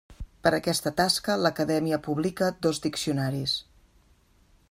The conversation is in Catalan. Per aquesta tasca, l'acadèmia publica dos diccionaris.